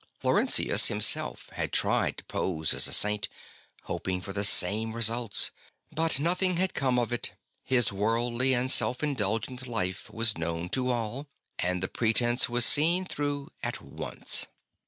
Florentius himself had tried to pose as a Saint, hoping for the same results, but nothing had come of it; his worldly and self indulgent life was known to all, and the pre tence was seen through at once.